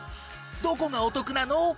どこがお得なの？